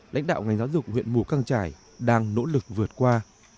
lãnh đạo ngành giáo dục huyện mù căng trải đang nỗ lực vượt qua